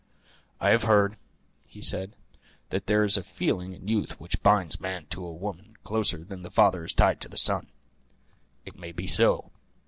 "I have heard," he said, "that there is a feeling in youth which binds man to woman closer than the father is tied to the son. It may be so.